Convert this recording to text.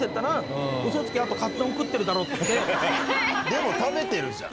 でも食べてるじゃん。